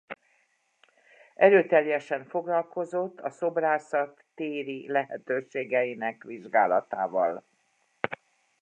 Erőteljesen foglalkozott a szobrászat téri lehetőségeinek vizsgálatával.